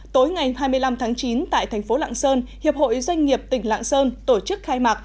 tối ngày hai mươi năm tháng chín tại thành phố lạng sơn hiệp hội doanh nghiệp tỉnh lạng sơn tổ chức khai mạc